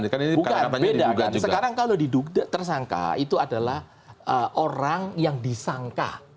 bukan beda kan sekarang kalau tersangka itu adalah orang yang disangka